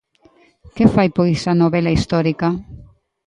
Que fai pois a novela histórica?